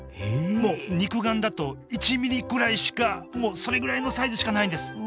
もう肉眼だと１ｍｍぐらいしかもうそれぐらいのサイズしかないんですうわ